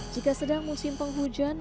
jika sedang musim penghujan